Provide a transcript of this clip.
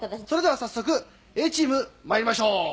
「それでは早速Ａチームまいりましょう」